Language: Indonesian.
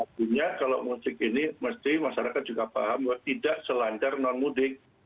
artinya kalau mau cek ini masyarakat juga paham bahwa tidak selandar non mooding